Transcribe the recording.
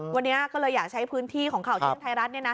วันนี้ก็เลยอยากใช้พื้นที่ของข่าวเที่ยงไทยรัฐ